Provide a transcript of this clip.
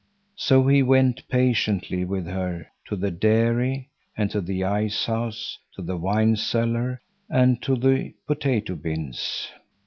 So he went patiently with her to the dairy and to the ice house; to the wine cellar and to the potato bins.